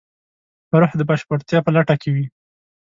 روح د بشپړتیا په لټه کې وي.